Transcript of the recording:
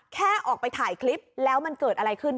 แค่ออกไปถ่ายคลิปแล้วมันเกิดอะไรขึ้น